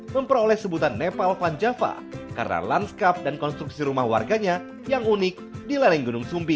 memperoleh sebutan nepal van java karena lanskap dan konstruksi rumah warganya yang unik di lereng gunung sumbi